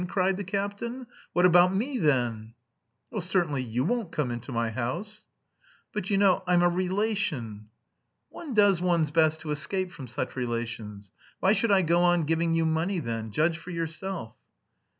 cried the captain. "What about me then?" "Well, certainly you won't come into my house." "But, you know, I'm a relation." "One does one's best to escape from such relations. Why should I go on giving you money then? Judge for yourself."